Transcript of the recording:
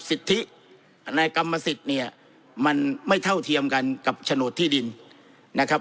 สิทธิในกรรมสิทธิ์เนี่ยมันไม่เท่าเทียมกันกับโฉนดที่ดินนะครับ